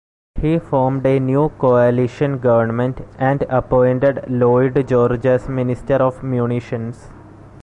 He formed a new coalition government and appointed Lloyd George as Minister of Munitions.